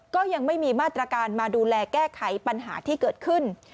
ก็ยังไม่มีมาตรการมาดูแลแก้ไขปัญหาที่เกิดขึ้น